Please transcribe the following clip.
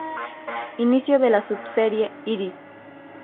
Inicio de la sub-serie "Iris".